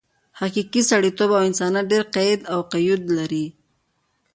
حقیقي سړیتوب او انسانیت ډېر قید او قیود لري.